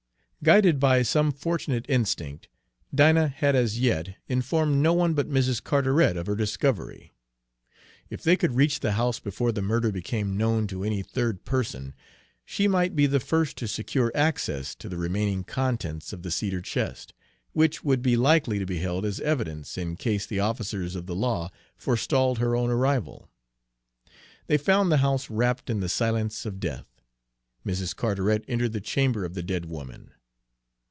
Guided by some fortunate instinct, Dinah had as yet informed no one but Mrs. Carteret of her discovery. If they could reach the house before the murder became known to any third person, she might be the first to secure access to the remaining contents of the cedar chest, which would be likely to be held as evidence in case the officers of the law forestalled her own arrival. They found the house wrapped in the silence of death. Mrs. Carteret entered the chamber of the dead woman.